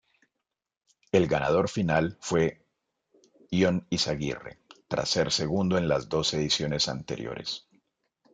El ganador final fue Ion Izagirre, tras ser segundo en las dos ediciones anteriores.